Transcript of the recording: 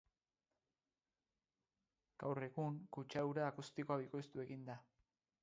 Gaur, egun kutsadura akustikoa bikoiztu egin da.